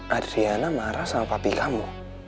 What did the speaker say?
adriana marah sama papi kamu